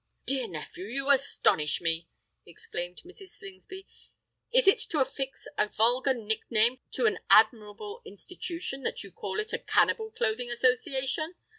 "My dear nephew, you astonish me!" exclaimed Mrs. Slingsby. "Is it to affix a vulgar nick name to an admirable institution, that you call it a Cannibal Clothing Association?